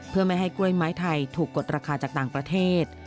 เพื่อไม่ให้กล้วยไม้ไทยถูกกดราคาจากต่างประเทศ